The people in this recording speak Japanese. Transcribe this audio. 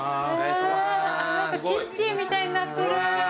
何かキッチンみたいになってる。